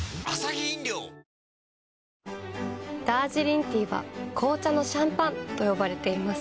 ＷＩＬＫＩＮＳＯＮダージリンティーは紅茶のシャンパンと呼ばれています。